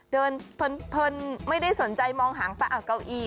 เดินเพลินไม่ได้สนใจมองหางเก้าอี้